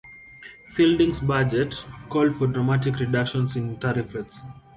Fielding's budget, called for dramatic reductions in tariff rates.